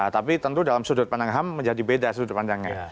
tapi tentu dalam sudut pandang ham menjadi beda sudut pandangnya